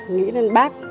nghĩ đến bác